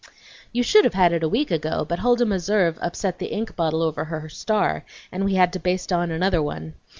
"You should have had it a week ago, but Huldah Meserve upset the ink bottle over her star, and we had to baste on another one.